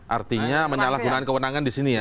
artinya menyalahgunakan kewenangan di sini ya